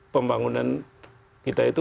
pembangunan kita itu